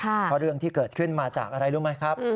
เพราะเรื่องที่เกิดขึ้นมาจากอะไรรู้ไหมครับ